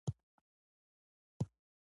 افغانستان د دغه ستر هندوکش کوربه دی.